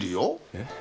えっ？